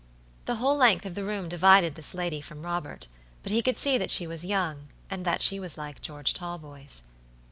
The whole length of the room divided this lady from Robert, but he could see that she was young, and that she was like George Talboys.